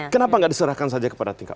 kenapa nggak diserahkan saja kepada tingkat